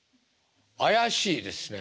怪しいですね。